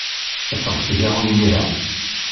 Ffeɣ seg-a imir-a.